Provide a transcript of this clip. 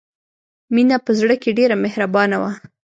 مینه په زړه کې ډېره مهربانه وه